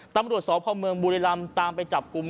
ตำรวจสพเมืองบุรีรำตามไปจับกลุ่ม